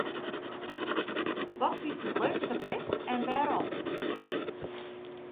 Wat fynst it leukste bist en wêrom?